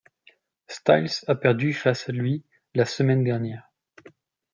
Styles a perdu face à lui la semaine dernière.